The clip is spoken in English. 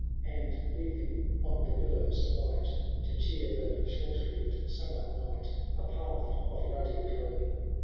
And leaving on the billows bright. To cheer the short lived summer night, A path of ruddy glow.